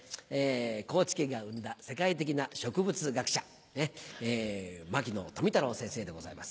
高知県が生んだ世界的な植物学者牧野富太郎先生でございます。